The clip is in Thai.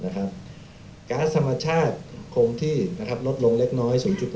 การสมชาติโครงที่ลดลงเล็กน้อย๐๑